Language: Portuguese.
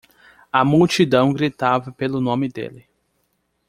A multidão gritava pelo nome dele.